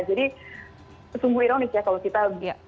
jadi sungguh ironis ya kalau kita